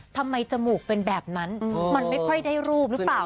จมูกเป็นแบบนั้นมันไม่ค่อยได้รูปหรือเปล่า